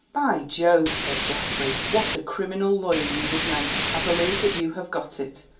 "By Jove," said Geoffrey, "what a criminal lawyer you would make! I believe that you have got it.